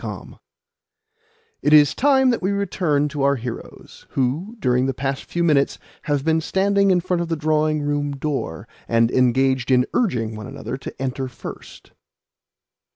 Moreover, it is time that we returned to our heroes, who, during the past few minutes, have been standing in front of the drawing room door, and engaged in urging one another to enter first.